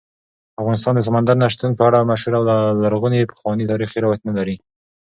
افغانستان د سمندر نه شتون په اړه مشهور او لرغوني پخواني تاریخی روایتونه لري.